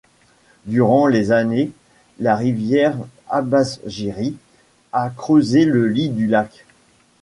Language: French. Durant les années, la rivière Abashiri a creusé le lit du lac.